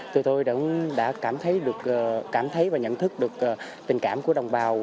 tụi tôi đã cảm thấy và nhận thức được tình cảm của đồng bào